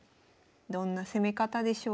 どんな攻め方でしょうか次は。